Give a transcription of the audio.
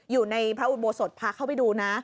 อยู่ในพระอุโบสถพาเข้าไปดูนะ